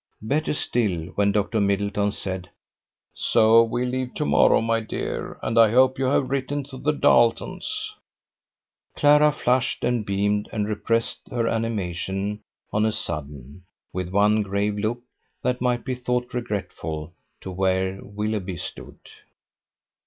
Better still, when Dr. Middleton said: "So we leave to morrow, my dear, and I hope you have written to the Darletons," Clara flushed and beamed, and repressed her animation on a sudden, with one grave look, that might be thought regretful, to where Willoughby stood.